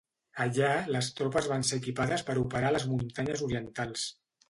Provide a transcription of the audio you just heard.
Allà les tropes van ser equipades per operar a les muntanyes orientals.